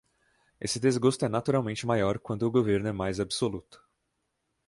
Esse desgosto é naturalmente maior quando o governo é mais absoluto.